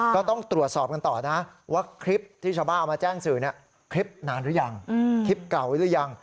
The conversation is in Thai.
ก็ต้องตรวจสอบกันต่อนะว่าคลิปที่ชาวบ้านเอามาแจ้งสื่อคลิปนานหรือยังคลิปเก่าหรือยัง